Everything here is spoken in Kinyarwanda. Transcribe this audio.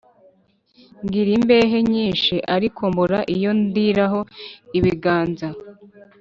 Ngira imbehe nyinshi ariko mbura iyo ndiraho-Ibiganza.